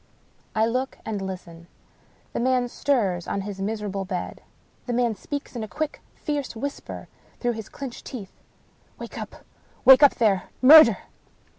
I look and listen. The man stirs on his miserable bed. The man speaks in a quick, fierce whisper through his clinched teeth. " Wake up ! Wake up, there ! Murder